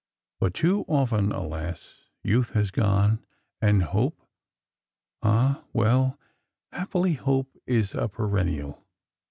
But too often, alas ! youth was gone, and hope —ah, well, happily hope is a perennial!